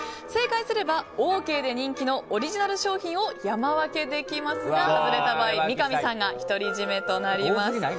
正解すればオーケーで人気のオリジナル商品を山分けできますが、外れた場合三上さんが独り占めとなります。